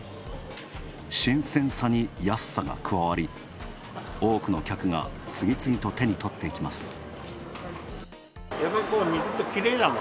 新鮮さに安さが加わり、多くの客が次々と手にとっていきます。